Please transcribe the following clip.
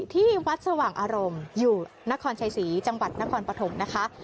ที่วัดสว่างอารมณ์อยู่นครชัยศรีจังหวัดนครปฐมนะคะ